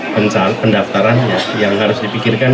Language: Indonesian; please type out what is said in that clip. pendaftarannya yang harus dipikirkan